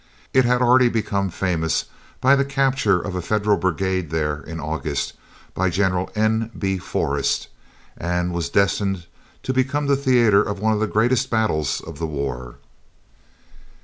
It had already become famous by the capture of a Federal brigade there in August, by General N. B. Forrest, and was destined to become the theatre of one of the greatest battles of the war.